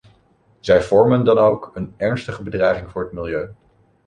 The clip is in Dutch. Zij vormen dan ook een ernstige bedreiging voor het milieu.